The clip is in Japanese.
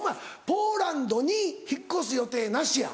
「ポーランドに引っ越す予定なし」や。